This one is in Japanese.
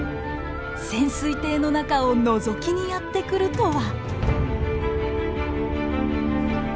潜水艇の中をのぞきにやって来るとは。